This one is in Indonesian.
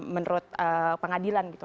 menurut pengadilan gitu